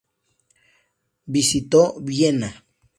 Visitó Viena.